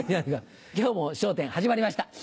今日も『笑点』始まりました。